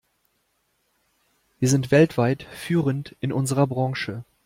Wir sind weltweit führend in unserer Branche.